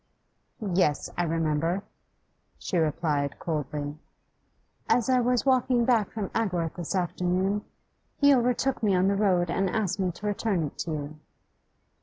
'Yes, I remember,' she replied coldly. 'As I was walking back from Agworth this afternoon, he overtook me on the road and asked me to return it to you.